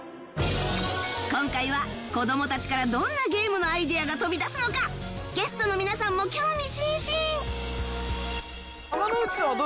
今回は子どもたちからどんなゲームのアイデアが飛び出すのかゲストの皆さんも興味津々！